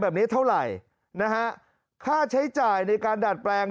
แบบนี้เท่าไหร่นะฮะค่าใช้จ่ายในการดัดแปลง